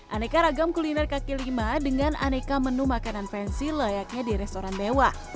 aneka ragam kuliner kaki lima dengan aneka menu makanan fansy layaknya di restoran dewa